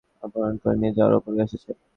অপহরণ করে নিয়ে যাওয়ার খবর এসেছে।